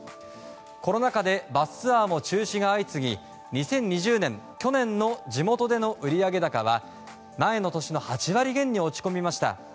コロナ禍でバスツアーも中止が相次ぎ２０２０年、去年の地元での売上高は前の年の８割減に落ち込みました。